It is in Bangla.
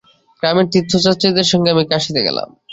গ্রামের তীর্থযাত্রীদের সঙ্গে আমি কাশীতে গেলাম।